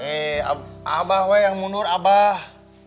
hei abah yang mundur abah